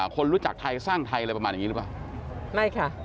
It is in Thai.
คนรู้จักไทยสร้างไทยอะไรประมาณนี้หรือเปล่า